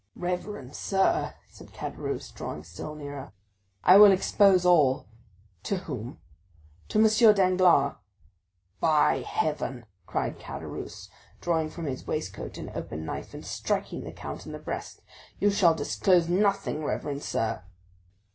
"Reverend sir," said Caderousse, drawing still nearer. "I will expose all." "To whom?" "To M. Danglars." "By Heaven!" cried Caderousse, drawing from his waistcoat an open knife, and striking the count in the breast, "you shall disclose nothing, reverend sir!"